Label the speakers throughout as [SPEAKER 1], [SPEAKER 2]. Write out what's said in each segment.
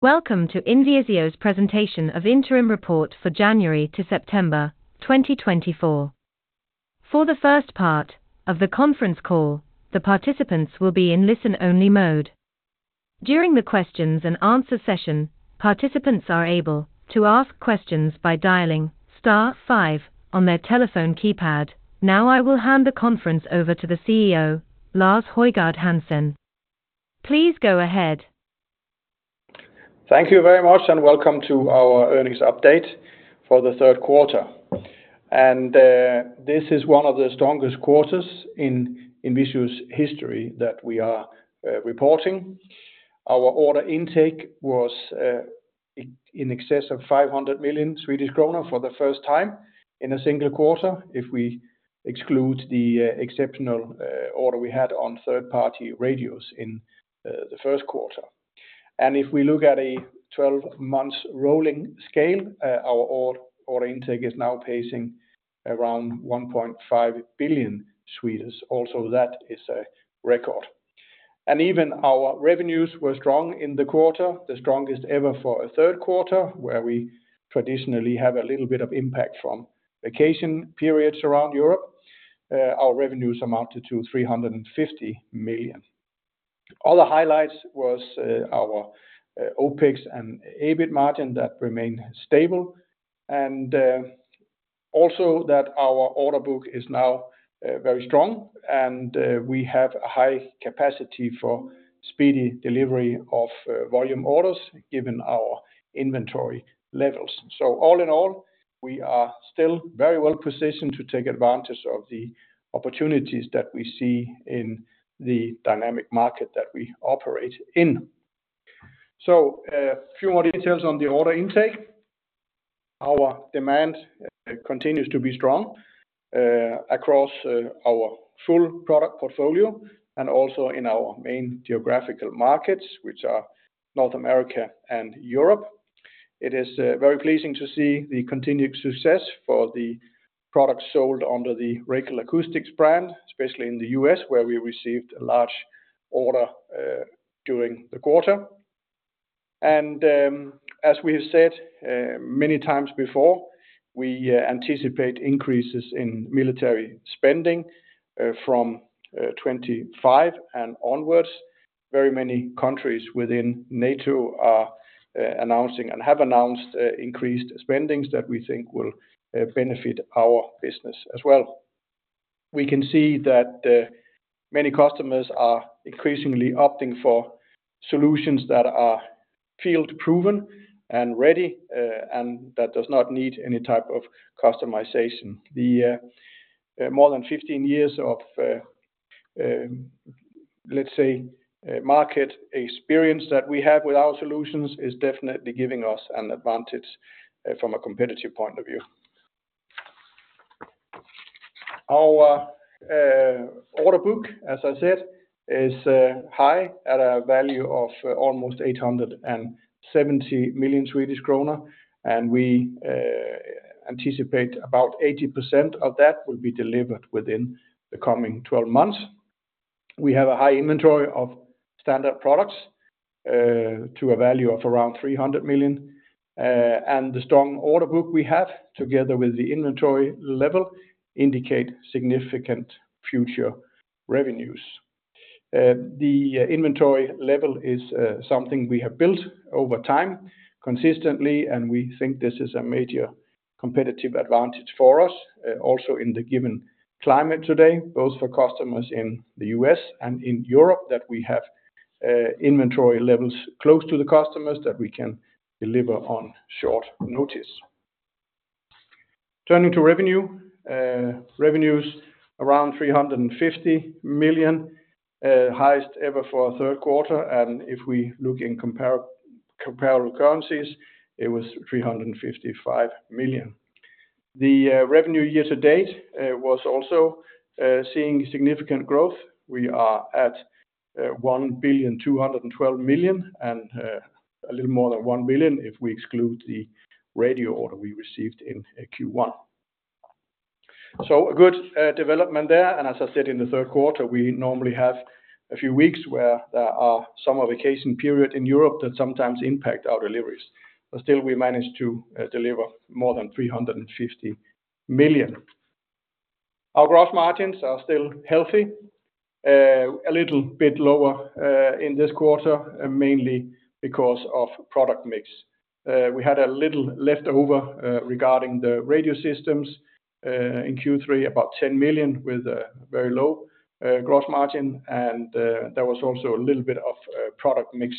[SPEAKER 1] Welcome to INVISIO's presentation of interim report for January to September twenty twenty-four. For the first part of the conference call, the participants will be in listen-only mode. During the questions and answer session, participants are able to ask questions by dialing star five on their telephone keypad. Now, I will hand the conference over to the CEO, Lars Højgård Hansen. Please go ahead.
[SPEAKER 2] Thank you very much, and welcome to our earnings update for the third quarter. This is one of the strongest quarters in INVISIO's history that we are reporting. Our order intake was in excess of 500 million Swedish kronor for the first time in a single quarter, if we exclude the exceptional order we had on third-party radios in the first quarter. If we look at a 12-month rolling scale, our order intake is now pacing around 1.5 billion. Also, that is a record. Even our revenues were strong in the quarter, the strongest ever for a third quarter, where we traditionally have a little bit of impact from vacation periods around Europe. Our revenues amounted to 350 million. Other highlights was our OPEX and EBIT margin that remained stable, and also that our order book is now very strong, and we have a high capacity for speedy delivery of volume orders, given our inventory levels. So all in all, we are still very well-positioned to take advantage of the opportunities that we see in the dynamic market that we operate in. So, a few more details on the order intake. Our demand continues to be strong across our full product portfolio and also in our main geographical markets, which are North America and Europe. It is very pleasing to see the continued success for the products sold under the Racal Acoustics brand, especially in the US, where we received a large order during the quarter. As we have said many times before, we anticipate increases in military spending from 2025 and onwards. Very many countries within NATO are announcing and have announced increased spendings that we think will benefit our business as well. We can see that many customers are increasingly opting for solutions that are field-proven and ready and that does not need any type of customization. The more than 15 years of let's say market experience that we have with our solutions is definitely giving us an advantage from a competitive point of view. Our order book, as I said, is high at a value of almost 870 million Swedish kronor, and we anticipate about 80% of that will be delivered within the coming twelve months. We have a high inventory of standard products, to a value of around 300 million, and the strong order book we have, together with the inventory level, indicate significant future revenues. The inventory level is something we have built over time consistently, and we think this is a major competitive advantage for us, also in the given climate today, both for customers in the U.S. and in Europe, that we have inventory levels close to the customers that we can deliver on short notice. Turning to revenue. Revenues around 350 million, highest ever for a third quarter, and if we look in comparable currencies, it was 355 million. The revenue year to date was also seeing significant growth. We are at 1,212 million, and a little more than 1 billion if we exclude the radio order we received in Q1. A good development there, and as I said, in the third quarter, we normally have a few weeks where there are summer vacation period in Europe that sometimes impact our deliveries, but still, we managed to deliver more than 350 million. Our gross margins are still healthy, a little bit lower in this quarter, and mainly because of product mix. We had a little leftover regarding the radio systems in Q3, about 10 million with a very low gross margin, and there was also a little bit of product mix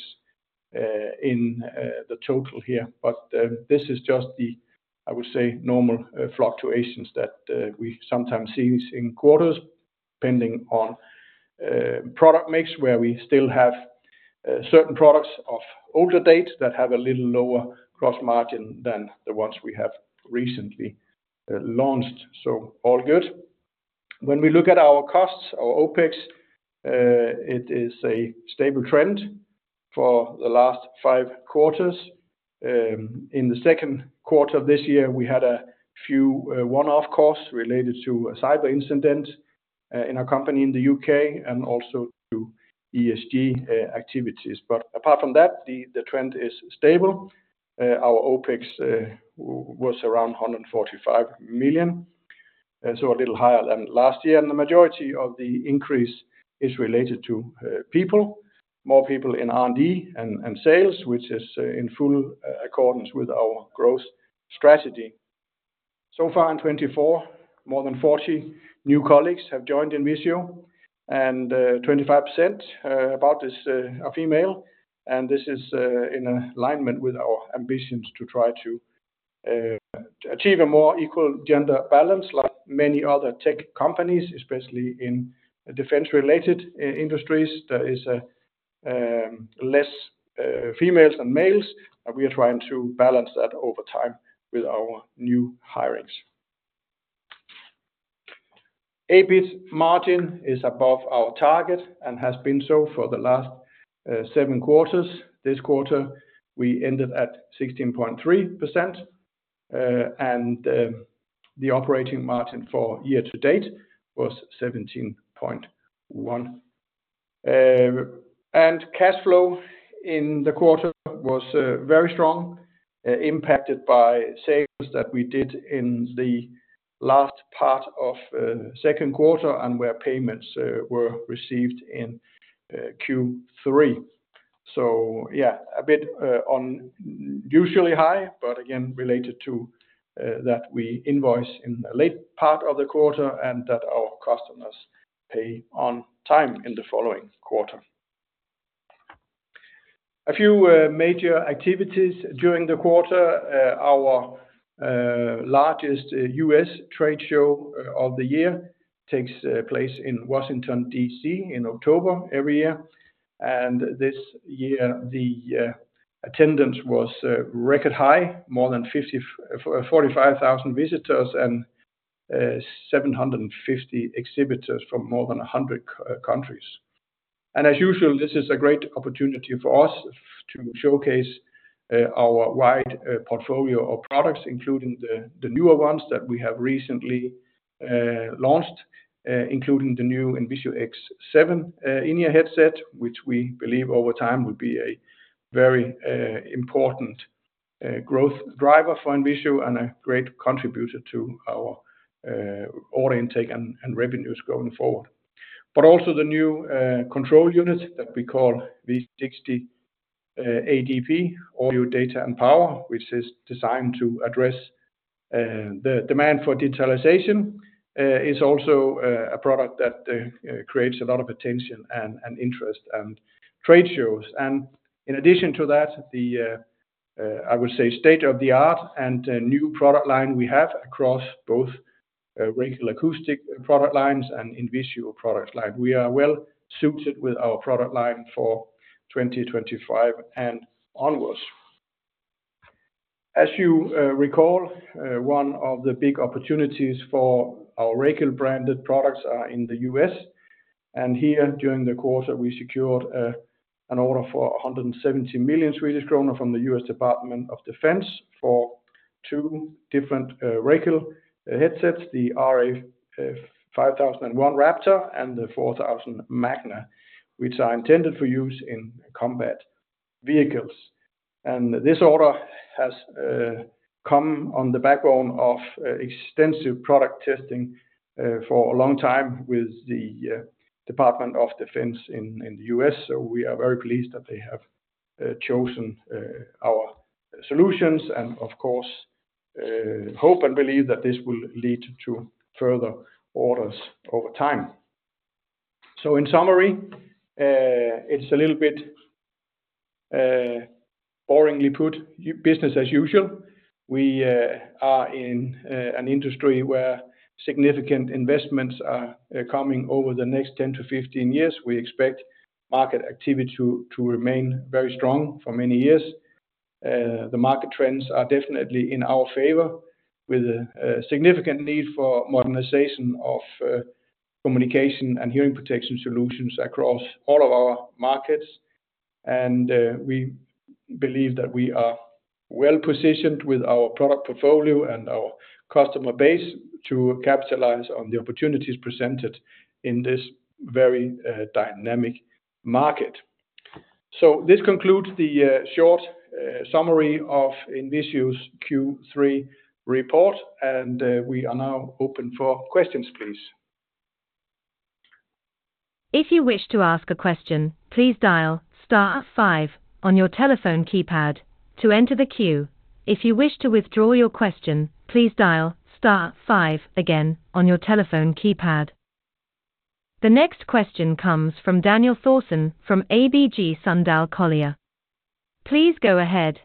[SPEAKER 2] in the total here. But, this is just the, I would say, normal, fluctuations that, we sometimes see in quarters, depending on, product mix, where we still have, certain products of older dates that have a little lower gross margin than the ones we have recently, launched. So all good. When we look at our costs, our OPEX, it is a stable trend for the last five quarters. In the second quarter of this year, we had a few, one-off costs related to a cyber incident, in our company in the U.K. and also to ESG, activities. But apart from that, the trend is stable. Our OPEX was around 145 million, and so a little higher than last year, and the majority of the increase is related to people, more people in R&D and sales, which is in full accordance with our growth strategy. So far, in 2024, more than 40 new colleagues have joined INVISIO, and 25% about this are female, and this is in alignment with our ambitions to try to achieve a more equal gender balance like many other tech companies, especially in defense-related industries. There is less females than males, and we are trying to balance that over time with our new hirings. EBIT margin is above our target and has been so for the last 7 quarters. This quarter, we ended at 16.3%, and the operating margin for year to date was 17.1%. And cash flow in the quarter was very strong, impacted by sales that we did in the last part of second quarter and where payments were received in Q3. So yeah, a bit unusually high, but again, related to that we invoice in the late part of the quarter, and that our customers pay on time in the following quarter. A few major activities during the quarter. Our largest U.S. trade show of the year takes place in Washington, D.C., in October every year, and this year, the attendance was record high, more than 50... 45,000 visitors and 750 exhibitors from more than 100 countries. As usual, this is a great opportunity for us to showcase our wide portfolio of products, including the newer ones that we have recently launched, including the new INVISIO X7 in-ear headset, which we believe over time will be a very important growth driver for INVISIO and a great contributor to our order intake and revenues going forward. But also the new control unit that we call V60 ADP, Audio Data and Power, which is designed to address the demand for digitalization, is also a product that creates a lot of attention and interest at trade shows. In addition to that, the I would say state-of-the-art and new product line we have across both Racal Acoustics product lines and INVISIO product line. We are well suited with our product line for 2025 and onwards. As you recall, one of the big opportunities for our Racal branded products is in the U.S., and here during the quarter, we secured an order for 170 million Swedish kronor from the U.S. Department of Defense for two different Racal headsets, the RA5001 Raptor and the RA4000 Magna, which are intended for use in combat vehicles. This order has come on the back of extensive product testing for a long time with the Department of Defense in the U.S. So we are very pleased that they have chosen our solutions and of course hope and believe that this will lead to further orders over time. So in summary, it's a little bit boringly put, business as usual. We are in an industry where significant investments are coming over the next 10 to 15 years. We expect market activity to remain very strong for many years. The market trends are definitely in our favor, with a significant need for modernization of communication and hearing protection solutions across all of our markets. We believe that we are well positioned with our product portfolio and our customer base to capitalize on the opportunities presented in this very dynamic market. So this concludes the short summary of INVISIO's Q3 report, and we are now open for questions, please.
[SPEAKER 1] If you wish to ask a question, please dial star five on your telephone keypad to enter the queue. If you wish to withdraw your question, please dial star five again on your telephone keypad. The next question comes from Daniel Thorsson, from ABG Sundal Collier. Please go ahead.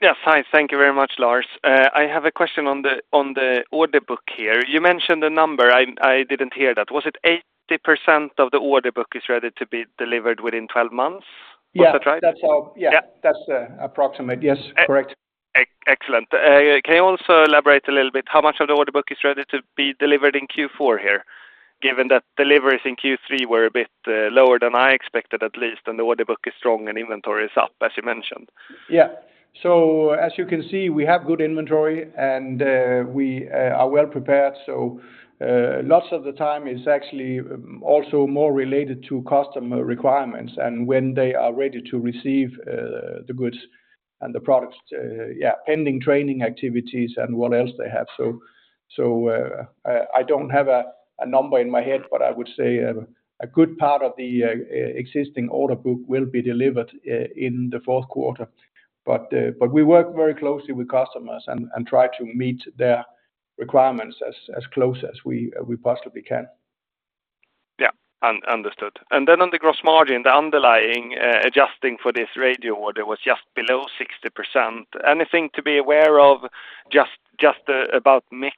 [SPEAKER 3] Yes. Hi. Thank you very much, Lars. I have a question on the order book here. You mentioned the number. I didn't hear that. Was it 80% of the order book is ready to be delivered within 12 months? Is that right?
[SPEAKER 2] Yes. That's all.
[SPEAKER 1] Yeah.
[SPEAKER 2] That's approximate. Yes, correct....
[SPEAKER 3] Excellent. Can you also elaborate a little bit how much of the order book is ready to be delivered in Q4 here, given that deliveries in Q3 were a bit lower than I expected, at least, and the order book is strong and inventory is up, as you mentioned?
[SPEAKER 2] Yeah. So as you can see, we have good inventory, and we are well prepared. So lots of the time it's actually also more related to customer requirements and when they are ready to receive the goods and the products, yeah, pending training activities and what else they have. So I don't have a number in my head, but I would say a good part of the existing order book will be delivered in the fourth quarter. But we work very closely with customers and try to meet their requirements as close as we possibly can.
[SPEAKER 3] Yeah. Understood. And then on the gross margin, the underlying, adjusting for this radio order was just below 60%. Anything to be aware of, just about mix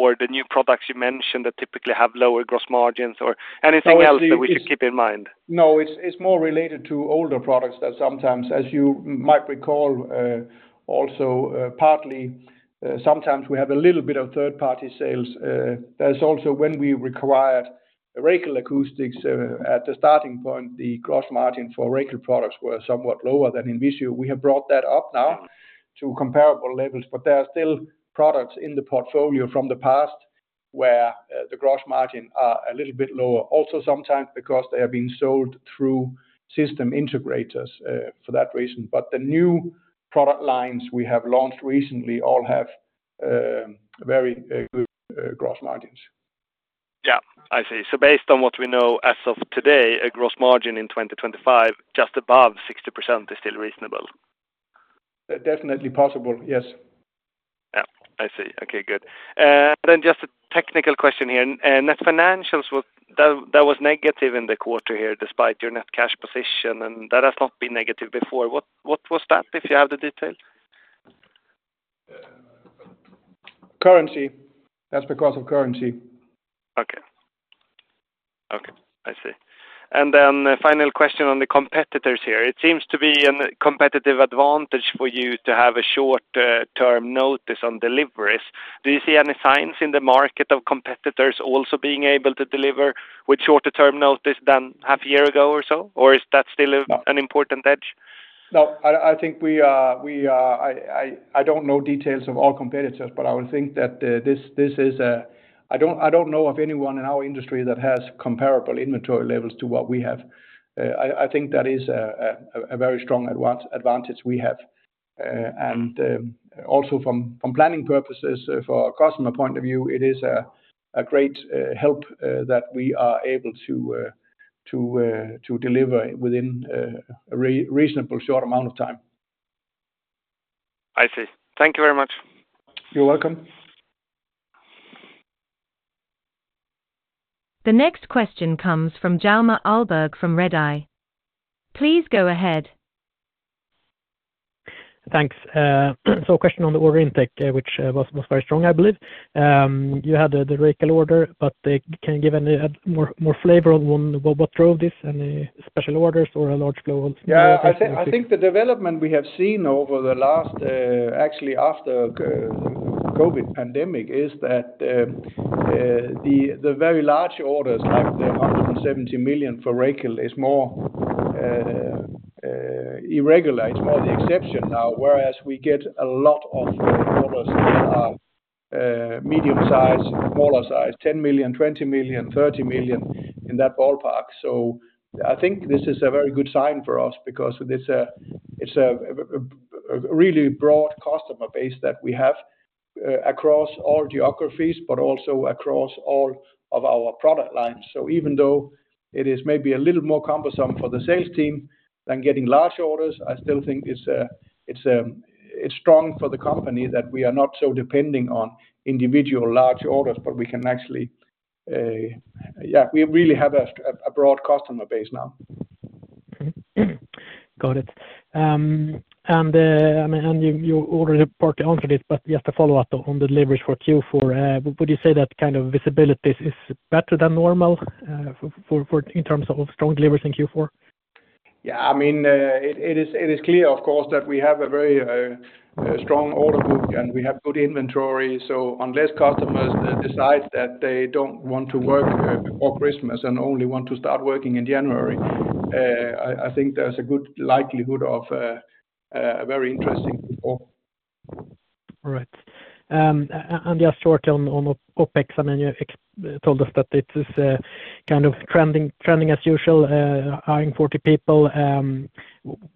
[SPEAKER 3] or the new products you mentioned that typically have lower gross margins, or anything else?
[SPEAKER 2] Obviously, it's-
[SPEAKER 3] that we should keep in mind?
[SPEAKER 2] No, it's, it's more related to older products that sometimes, as you might recall, also, partly, sometimes we have a little bit of third-party sales. That is also when we acquired Racal Acoustics, at the starting point, the gross margin for Racal products were somewhat lower than in INVISIO. We have brought that up now to comparable levels, but there are still products in the portfolio from the past where, the gross margin are a little bit lower. Also sometimes because they have been sold through system integrators, for that reason. But the new product lines we have launched recently all have, very, good, gross margins.
[SPEAKER 3] Yeah, I see. So based on what we know as of today, a gross margin in 2025, just above 60% is still reasonable?
[SPEAKER 2] Definitely possible, yes.
[SPEAKER 3] Yeah. I see. Okay, good. Then just a technical question here. Net financials was... That was negative in the quarter here, despite your net cash position, and that has not been negative before. What was that, if you have the detail?
[SPEAKER 2] Currency. That's because of currency.
[SPEAKER 3] Okay. Okay, I see. And then a final question on the competitors here. It seems to be a competitive advantage for you to have a short term notice on deliveries. Do you see any signs in the market of competitors also being able to deliver with shorter term notice than half year ago or so? Or is that still an important edge?
[SPEAKER 2] No, I think we don't know details of all competitors, but I would think that this is. I don't know of anyone in our industry that has comparable inventory levels to what we have. I think that is a very strong advantage we have. And also from planning purposes, for a customer point of view, it is a great help that we are able to deliver within a reasonable short amount of time.
[SPEAKER 3] I see. Thank you very much.
[SPEAKER 2] You're welcome.
[SPEAKER 1] The next question comes from Hjalmar Ahlberg from Redeye. Please go ahead.
[SPEAKER 4] Thanks. So a question on the order intake, which was very strong, I believe. You had the Racal order, but can you give any more flavor on what drove this? Any special orders or a large global-
[SPEAKER 2] Yeah, I think the development we have seen over the last actually after COVID pandemic is that the very large orders, like the 170 million for Racal, are more irregular. It's more the exception now, whereas we get a lot of orders that are medium size and smaller size, 10 million, 20 million, 30 million, in that ballpark. So I think this is a very good sign for us because it's a really broad customer base that we have across all geographies, but also across all of our product lines. So even though it is maybe a little more cumbersome for the sales team than getting large orders, I still think it's strong for the company that we are not so depending on individual large orders, but we can actually. Yeah, we really have a broad customer base now.
[SPEAKER 4] Mm-hmm. Got it. And I mean, you already partly answered it, but just to follow up on the deliveries for Q4, would you say that kind of visibility is better than normal, in terms of strong deliveries in Q4?
[SPEAKER 2] Yeah, I mean, it is clear, of course, that we have a very strong order book, and we have good inventory, so unless customers decide that they don't want to work before Christmas and only want to start working in January, I think there's a good likelihood of a very interesting Q4.
[SPEAKER 4] All right. Just short on OPEX, I mean, you told us that it is kind of trending as usual, hiring 40 people.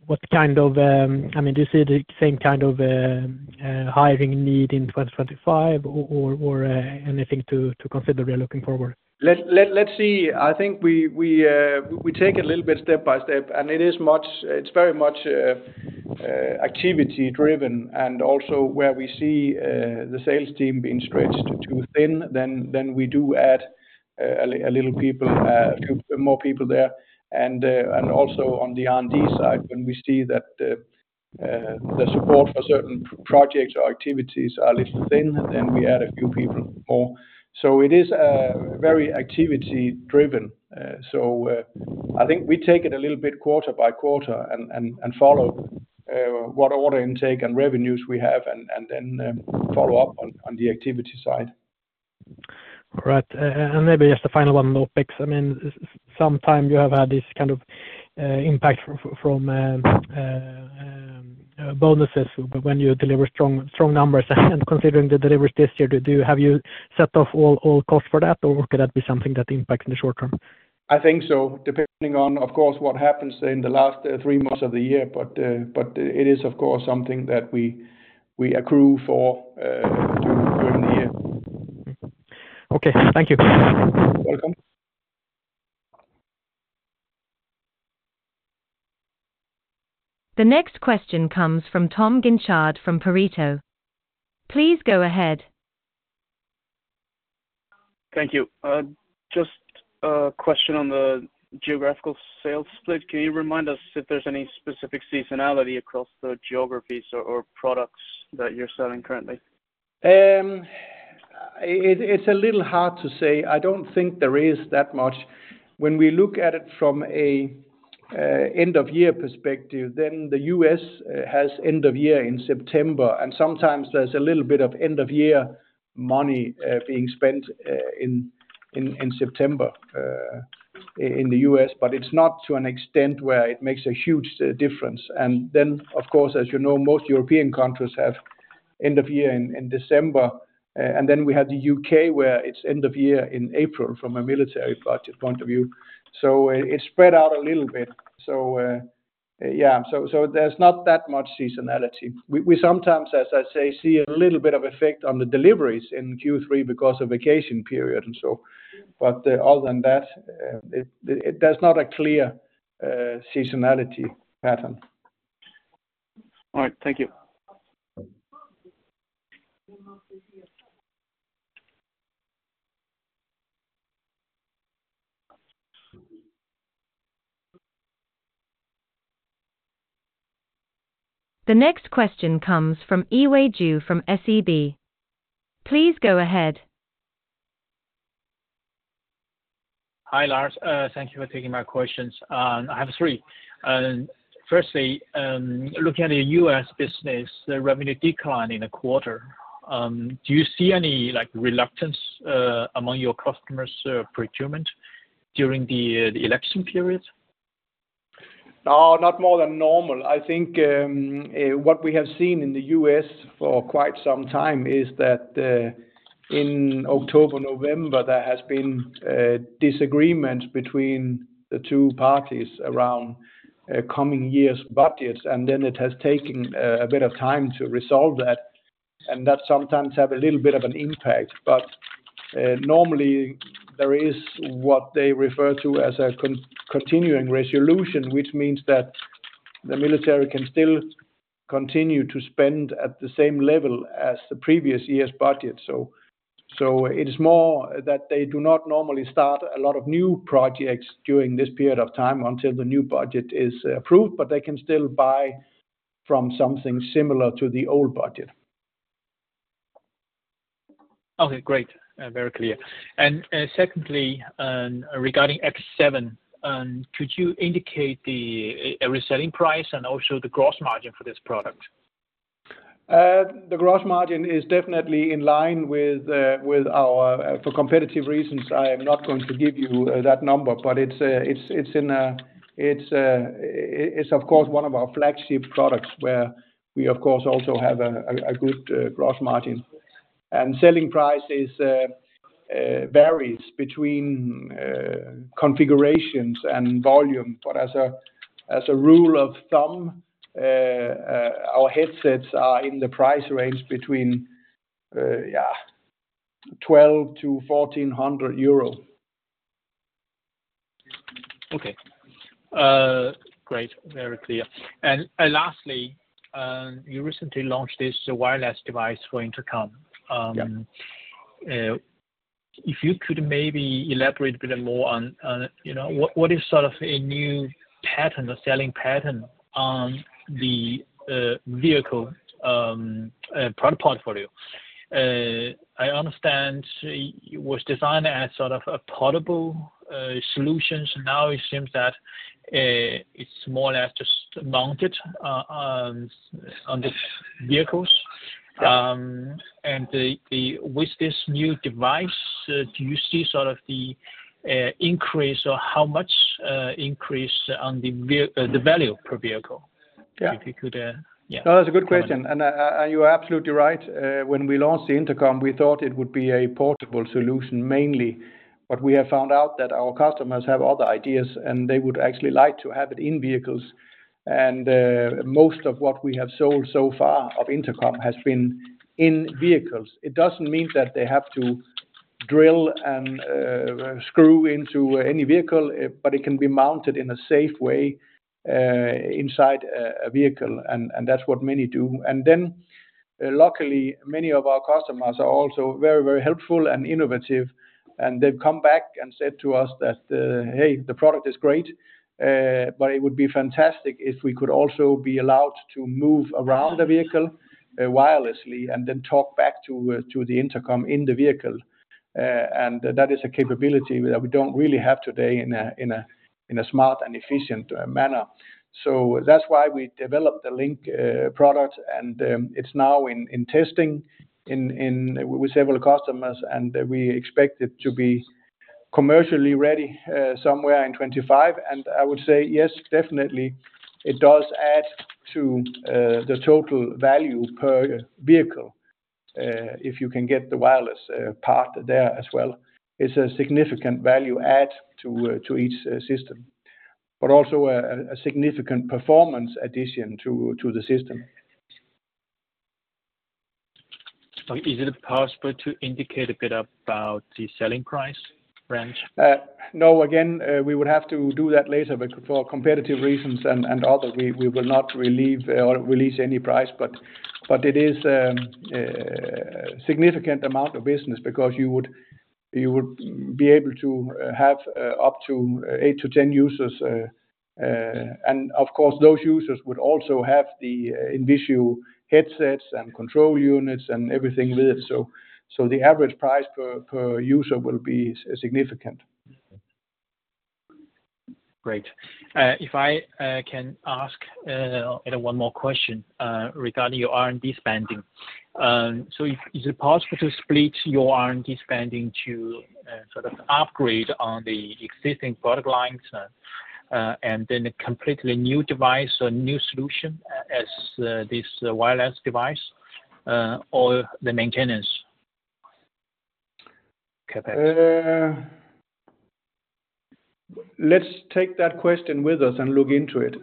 [SPEAKER 4] What kind of... I mean, do you see the same kind of hiring need in 2025 or anything to consider there looking forward?
[SPEAKER 2] Let's see. I think we take it a little bit step by step, and it is very much activity driven. And also where we see the sales team being stretched too thin, then we do add a little more people there. And also on the R&D side, when we see that the support for certain projects or activities are a little thin, then we add a few people more. So it is very activity driven. So I think we take it a little bit quarter by quarter and follow what order intake and revenues we have and then follow up on the activity side....
[SPEAKER 4] Right. And maybe just a final one on topics. I mean, sometimes you have had this kind of impact from bonuses, but when you deliver strong numbers and considering the deliveries this year, have you set off all costs for that, or could that be something that impacts in the short term?
[SPEAKER 2] I think so, depending on, of course, what happens in the last three months of the year. But it is, of course, something that we accrue for during the year.
[SPEAKER 4] Okay, thank you.
[SPEAKER 2] Welcome.
[SPEAKER 1] The next question comes from Tom Guinchard from Pareto. Please go ahead.
[SPEAKER 5] Thank you. Just a question on the geographical sales split. Can you remind us if there's any specific seasonality across the geographies or products that you're selling currently?
[SPEAKER 2] It's a little hard to say. I don't think there is that much. When we look at it from an end-of-year perspective, then the U.S. has end of year in September, and sometimes there's a little bit of end-of-year money being spent in September in the U.S. But it's not to an extent where it makes a huge difference, and then, of course, as you know, most European countries have end of year in December, and then we have the U.K., where it's end of year in April from a military budget point of view. So it's spread out a little bit, so there's not that much seasonality. We sometimes, as I say, see a little bit of effect on the deliveries in Q3 because of vacation period and so. But, other than that, there's not a clear seasonality pattern.
[SPEAKER 5] All right. Thank you.
[SPEAKER 1] The next question comes from Yiwei Zhou from SEB. Please go ahead.
[SPEAKER 6] Hi, Lars. Thank you for taking my questions. I have three. Firstly, looking at the U.S. business, the revenue decline in the quarter, do you see any, like, reluctance among your customers procurement during the election period?
[SPEAKER 2] No, not more than normal. I think, what we have seen in the U.S. for quite some time is that, in October, November, there has been, disagreements between the two parties around, coming year's budget, and then it has taken, a bit of time to resolve that, and that sometimes have a little bit of an impact. But, normally there is what they refer to as a continuing resolution, which means that the military can still continue to spend at the same level as the previous year's budget. So, it is more that they do not normally start a lot of new projects during this period of time until the new budget is approved, but they can still buy from something similar to the old budget.
[SPEAKER 6] Okay, great. Very clear. Secondly, regarding X7, could you indicate the resale price and also the gross margin for this product?
[SPEAKER 2] The gross margin is definitely in line with our.... For competitive reasons, I am not going to give you that number, but it's, of course, one of our flagship products, where we, of course, also have a good gross margin, and selling price varies between configurations and volume, but as a rule of thumb, our headsets are in the price range between 1,200 to 1,400 euro.
[SPEAKER 6] Okay. Great, very clear, and lastly, you recently launched this wireless device for intercom.
[SPEAKER 2] Yeah.
[SPEAKER 6] If you could maybe elaborate a bit more on it, you know, what is sort of a new pattern, a selling pattern on the vehicle product portfolio? I understand it was designed as sort of a portable solution. So now it seems that it's more or less just mounted on the vehicles.
[SPEAKER 2] Yeah.
[SPEAKER 6] And, with this new device, do you see sort of the increase or how much increase on the value per vehicle?
[SPEAKER 2] Yeah.
[SPEAKER 6] If you could, yeah.
[SPEAKER 2] No, that's a good question, and you are absolutely right. When we launched the intercom, we thought it would be a portable solution mainly, but we have found out that our customers have other ideas, and they would actually like to have it in vehicles. And most of what we have sold so far of intercom has been in vehicles. It doesn't mean that they have to drill and screw into any vehicle, but it can be mounted in a safe way inside a vehicle, and that's what many do. And then, luckily, many of our customers are also very, very helpful and innovative, and they've come back and said to us that, "Hey, the product is great, but it would be fantastic if we could also be allowed to move around the vehicle, wirelessly, and then talk back to the intercom in the vehicle." And that is a capability that we don't really have today in a smart and efficient manner. So that's why we developed the Link product, and it's now in testing with several customers, and we expect it to be commercially ready somewhere in twenty-five. And I would say yes, definitely, it does add to the total value per vehicle. If you can get the wireless part there as well, it's a significant value add to each system, but also a significant performance addition to the system.
[SPEAKER 6] Is it possible to indicate a bit about the selling price range?
[SPEAKER 2] No, again, we would have to do that later, but for competitive reasons and other, we will not reveal or release any price. But it is a significant amount of business because you would be able to have up to eight to 10 users. And of course, those users would also have the INVISIO headsets and control units and everything with it. So the average price per user will be significant.
[SPEAKER 6] Great. If I can ask one more question regarding your R&D spending. So is it possible to split your R&D spending to sort of upgrade on the existing product lines, and then a completely new device or new solution as this wireless device, or the maintenance?
[SPEAKER 2] Let's take that question with us and look into it.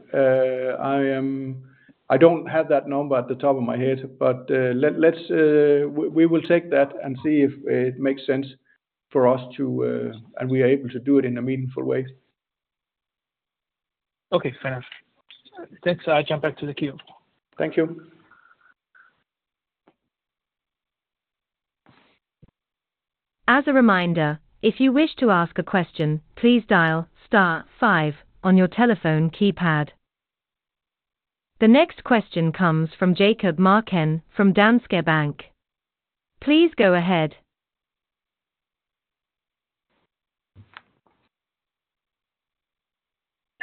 [SPEAKER 2] I don't have that number at the top of my head, but let's. We will take that and see if it makes sense for us to, and we are able to do it in a meaningful way.
[SPEAKER 6] Okay, fair enough. Thanks. I jump back to the queue.
[SPEAKER 2] Thank you.
[SPEAKER 1] As a reminder, if you wish to ask a question, please dial star five on your telephone keypad. The next question comes from Jakob Magnussen from Danske Bank. Please go ahead.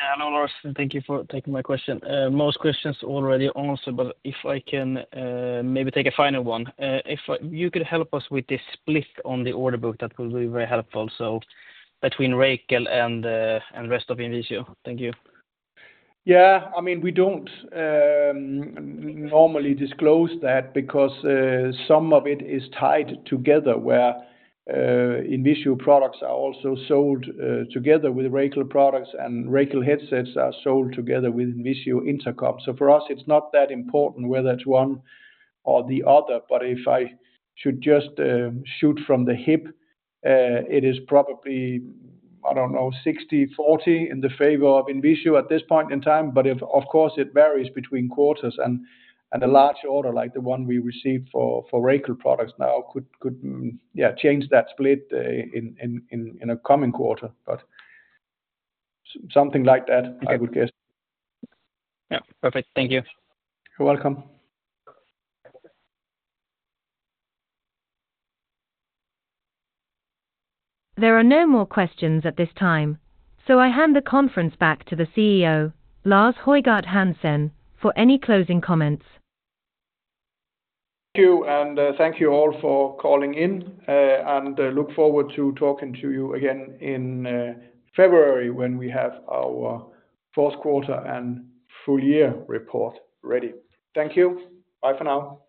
[SPEAKER 7] Yeah, hello, Lars, and thank you for taking my question. Most questions already answered, but if I can, maybe take a final one. If you could help us with the split on the order book, that would be very helpful, so between Racal and the, and rest of INVISIO. Thank you.
[SPEAKER 2] Yeah, I mean, we don't normally disclose that because some of it is tied together, where INVISIO products are also sold together with Racal products, and Racal headsets are sold together with INVISIO Intercom. So, for us, it's not that important whether it's one or the other, but if I should just shoot from the hip, it is probably, I don't know, sixty, forty in the favor of INVISIO at this point in time. But if... Of course, it varies between quarters and a large order, like the one we received for Racal products now, could change that split in a coming quarter. But something like that, I would guess.
[SPEAKER 7] Yeah. Perfect. Thank you.
[SPEAKER 2] You're welcome.
[SPEAKER 1] There are no more questions at this time, so I hand the conference back to the CEO, Lars Højgård Hansen, for any closing comments.
[SPEAKER 2] Thank you, and, thank you all for calling in, and I look forward to talking to you again in, February, when we have our fourth quarter and full year report ready. Thank you. Bye for now.